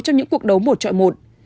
trong những cuộc đấu một chọi một